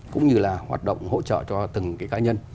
cũng như là hoạt động hỗ trợ cho từng cái cá nhân